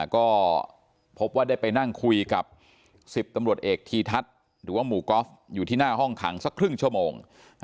ก็พบว่าได้ไปนั่งคุยกับ๑๐ตำรวจเอกทีทัศน์หรือว่าหมู่กอล์ฟอยู่ที่หน้าห้องขังสักครึ่งชั่วโมง